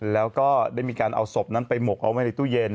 แล้วก็ได้มีการเอาศพนั้นไปหมกเอาไว้ในตู้เย็น